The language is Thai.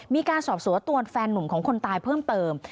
มีการสอบสวนตัวแฟนนุ่มของคนตายเพิ่มเติม